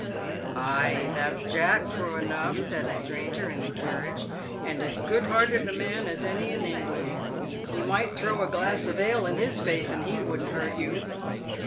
"Ay, that's Jack, true enough," said a stranger in the carriage, " and as good hearted a man as any in England. You might throw a glass of ale in his face, and he wouldn't hurt you."